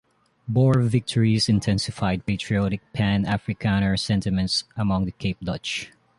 Boer victories intensified patriotic pan-Afrikaner sentiments among the Cape Dutch.